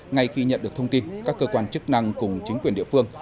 ngay khi nhận được thông tin các cơ quan chức năng cùng chính quyền địa phương